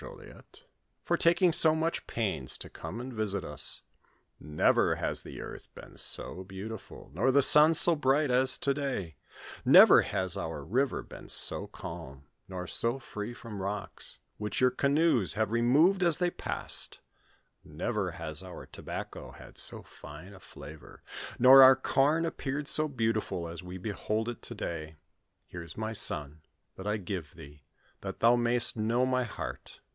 Jollyet, " for taking so much pains to come and visit us ; never has the earth been so beautiful, nor the sun so bright, as to day ; never has our river been so cahn, nor so free from rocks, which your canoes have re moved as they passed ; never has our tobacco had so fine a flavor, nor our com appeared so beautiful as we behold it to day. Here is my son, that I give thee, that thou mayst know my heart.